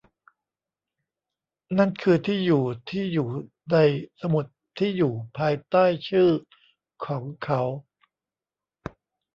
นั่นคือที่อยู่ที่อยู่ในสมุดที่อยู่ภายใต้ชื่อของเขา